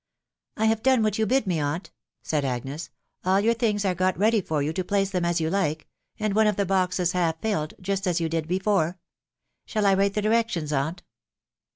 " I have done what you bid me, aunt," said Agnes ;" all your things are got ready for you to place them as you like, and one of the boxes half filled, just as you did before* •.. Shall I write the directions, aunt